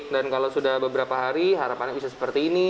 dan kalau sudah beberapa hari harapannya bisa seperti ini